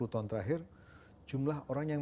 lima puluh tahun terakhir jumlah orang yang